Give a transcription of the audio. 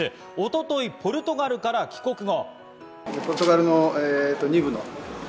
一昨日、ポルトガルから帰国後。